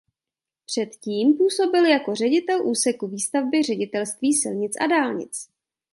Předtím působil jako ředitel úseku výstavby Ředitelství silnic a dálnic.